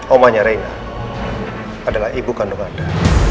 omanya reina adalah ibu kandung anda